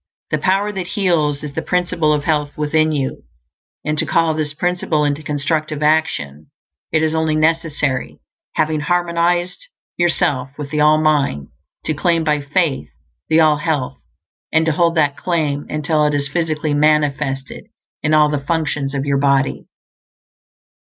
The power that heals is the Principle of Health within you; and to call this Principle into Constructive Action it is only necessary, having harmonized yourself with the All Mind, to claim by FAITH the All Health; and to hold that claim until it is physically manifested in all the functions of your body.